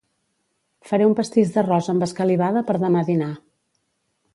Faré un pastís d'arròs amb escalivada per demà dinar